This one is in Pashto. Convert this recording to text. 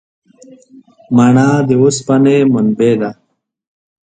مڼه د اوسپنې منبع ده.